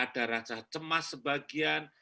ada rasa cemas sebagian